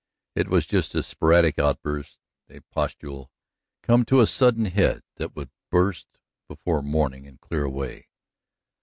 It was just a sporadic outburst, a pustule come to a sudden head that would burst before morning and clear away.